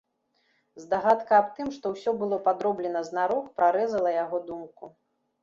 Здагадка аб тым, што ўсё было падроблена знарок, прарэзала яго думку.